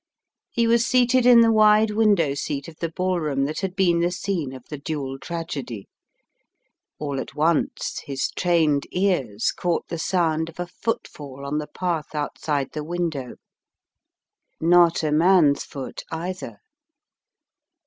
He was seated in the wide window seat of the ballroom that had been the scene of the dual tragedy. All at once his trained ears caught the sound of a footfall on the path outside the window. Not a man's foot, either!